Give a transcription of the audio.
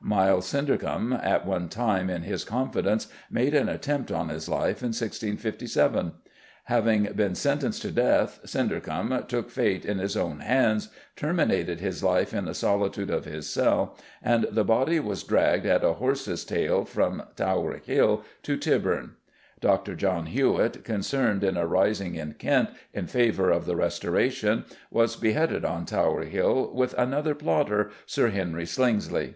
Miles Syndercombe, at one time in his confidence, made an attempt on his life in 1657. Having been sentenced to death, Syndercombe took fate in his own hands, terminated his life in the solitude of his cell, and the body was dragged at a horse's tail from Tower Hill to Tyburn. Dr. John Hewitt, concerned in a rising in Kent in favour of the Restoration, was beheaded on Tower Hill with another plotter, Sir Henry Slingsley.